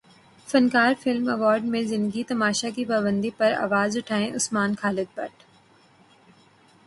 فنکار film award میں زندگی تماشا کی پابندی پر اواز اٹھائیں عثمان خالد بٹ